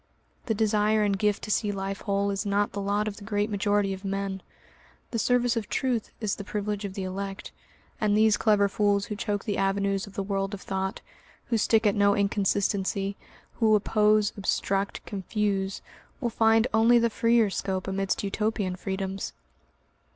The desire and gift to see life whole is not the lot of the great majority of men, the service of truth is the privilege of the elect, and these clever fools who choke the avenues of the world of thought, who stick at no inconsistency, who oppose, obstruct, confuse, will find only the freer scope amidst Utopian freedoms.